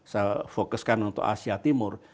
saya fokuskan untuk asia timur